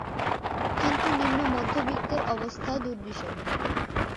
কিন্তু নিম্নমধ্যবিত্তের অবস্থা দুর্বিষহ।